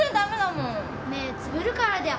目つぶるからだよ。